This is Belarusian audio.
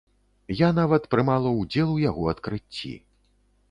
Я нават прымала ўдзел у яго адкрыцці.